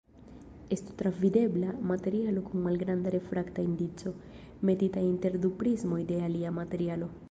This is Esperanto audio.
Estu travidebla materialo kun malgranda refrakta indico, metita inter du prismoj de alia materialo.